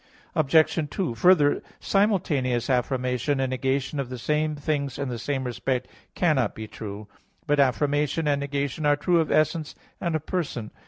Obj. 2: Further, simultaneous affirmation and negation of the same things in the same respect cannot be true. But affirmation and negation are true of essence and of person.